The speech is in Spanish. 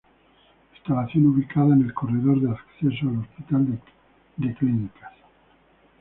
Instalación ubicada en el corredor de acceso al Hospital de Clínicas.